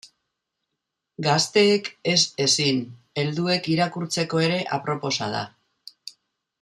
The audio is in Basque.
Gazteek ez ezin, helduek irakurtzeko ere aproposa da.